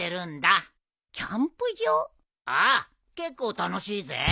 ああ結構楽しいぜ。